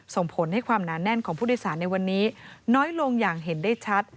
ส่งผลให้ความหนาแน่นของผู้โดยสารในวันนี้น้อยลงอย่างเห็นได้ชัด